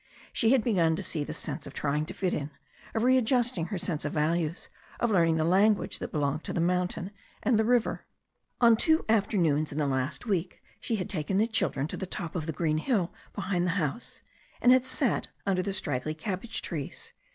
She had begun to see the sense of trying to fit in, of readjusting her sense of values, of learning the language that belonged to the mountain and the river. On two afternoons in the last week she had taken the children to the top of the green hill behind the house, and had sat under the straggly cabbage trees.